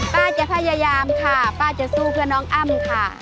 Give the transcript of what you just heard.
ป้าจะพยายามค่ะป้าจะสู้เพื่อน้องอ้ำค่ะ